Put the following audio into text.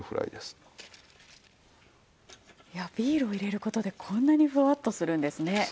いやビールを入れる事でこんなにフワッとするんですね。